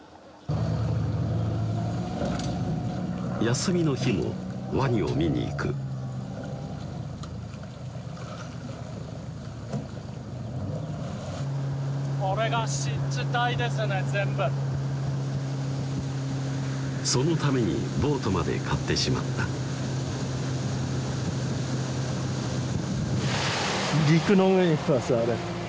休みの日もワニを見に行くこれが湿地帯ですね全部そのためにボートまで買ってしまったあれ